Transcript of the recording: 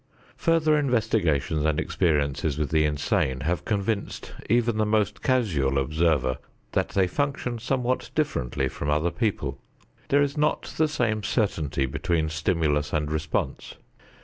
Further investigation and experiences with the insane have convinced even the most casual observer that they function somewhat differently from other people; there is not the same certainty between stimulus and response.